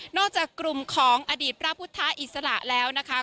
จากกลุ่มของอดีตพระพุทธอิสระแล้วนะคะ